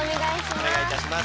お願いいたします。